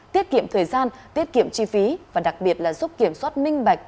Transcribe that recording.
tiết kiệm thời gian tiết kiệm chi phí và đặc biệt là giúp kiểm soát minh bạch